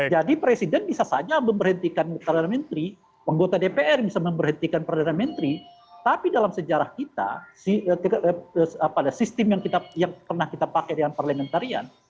jadi presiden bisa saja memberhentikan perdana menteri penggota dpr bisa memberhentikan perdana menteri tapi dalam sejarah kita sistem yang pernah kita pakai dengan parlamentarian